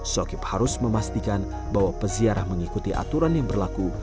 sokip harus memastikan bahwa peziarah mengikuti aturan yang berlaku